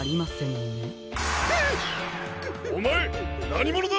おまえなにものだ！